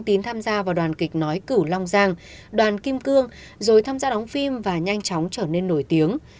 tín tham gia vào đoàn kịch nói cửu long giang đoàn kim cương rồi tham gia đóng phim và nhanh chóng trở nên nổi tiếng